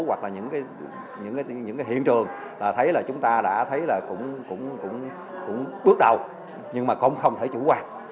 hoặc là những hiện trường thấy là chúng ta đã thấy là cũng bước đầu nhưng mà cũng không thể chủ quan